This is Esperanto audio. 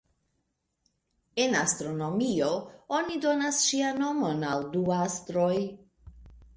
En astronomio, oni donis ŝian nomon al du astroj.